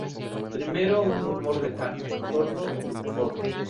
Primero un rumor lejano, sordo y uniforme.